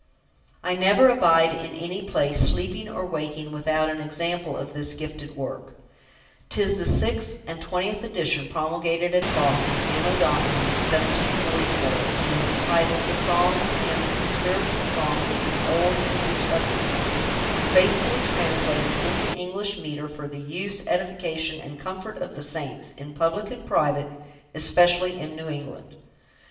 I never abide in any place, sleeping or waking, without an example of this gifted work. 'Tis the six and twentieth edition, promulgated at Boston, Anno Domini 1744; and is entitled, 'The Psalms, Hymns, and Spiritual Songs of the Old and New Testaments; faithfully translated into English Metre, for the Use, Edification, and Comfort of the Saints, in Public and Private, especially in New England'."